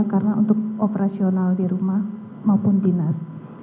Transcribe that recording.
karena untuk operasional di rumah maupun dinas